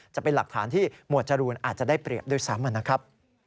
จะเป็นหลักฐานที่หมวดจรูนอาจจะได้เปรียบด้วยซ้ำนะครับ